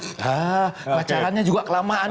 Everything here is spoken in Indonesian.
orang orang bilang haa kebacarannya juga kelamaan ini